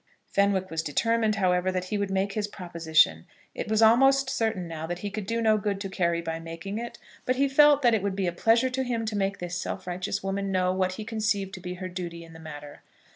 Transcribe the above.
Fenwick was determined, however, that he would make his proposition. It was almost certain now that he could do no good to Carry by making it; but he felt that it would be a pleasure to him to make this self righteous woman know what he conceived to be her duty in the matter.